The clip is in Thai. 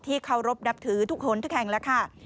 ที่เคารพนับถือทุกคนทุกครั้งแล้วค่ะ